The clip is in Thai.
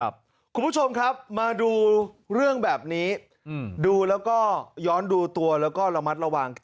คุณผู้ชมครับมาดูเรื่องแบบนี้ดูแล้วก็ย้อนดูตัวแล้วก็ระมัดระวังกัน